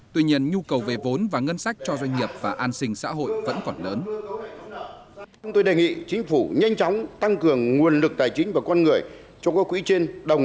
tuy nhiên nhu cầu về vốn và ngân sách cho doanh nghiệp và an sinh xã hội vẫn còn lớn